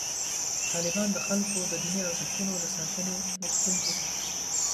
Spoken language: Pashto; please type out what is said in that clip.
طالبان د خلکو د دیني ارزښتونو د ساتنې غوښتونکي دي.